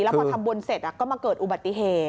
พอทำบุญเสร็จก็มาเกิดอุบัติเหตุ